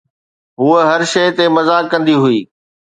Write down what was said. هوءَ هر شيءِ تي مذاق ڪندي هئي